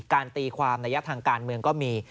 การตีความในยักษ์ทางการเมืองก็มี